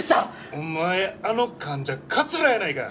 お前あの患者カツラやないか！